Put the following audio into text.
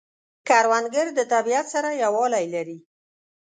کروندګر د طبیعت سره یووالی لري